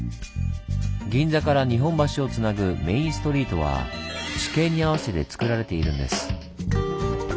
銀座から日本橋をつなぐメインストリートは地形に合わせてつくられているんです。